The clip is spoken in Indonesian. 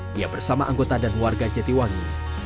dia bersama anggota dan warga jatiwangi